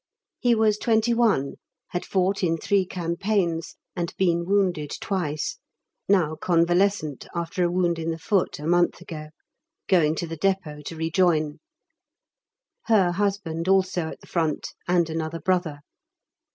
He was 21, had fought in three campaigns, and been wounded twice; now convalescent after a wound in the foot a month ago going to the depôt to rejoin. Her husband also at the front, and another brother.